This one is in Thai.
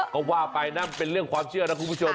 ก็ว่าไปนะเป็นเรื่องความเชื่อนะคุณผู้ชม